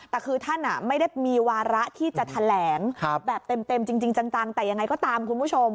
แต่คือท่านไม่ได้มีวาระที่จะแถลงแบบเต็มจริงจังแต่ยังไงก็ตามคุณผู้ชม